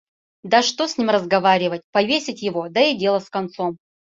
Да что с ним разговаривать: повесить его, да и дело с концом!